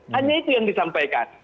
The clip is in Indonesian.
hanya itu yang disampaikan